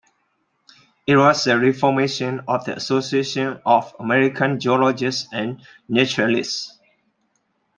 It was a reformation of the Association of American Geologists and Naturalists.